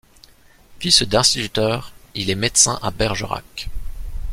Fils d'instituteur, il est médecin à Bergerac.